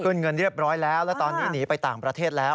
เงินเรียบร้อยแล้วแล้วตอนนี้หนีไปต่างประเทศแล้ว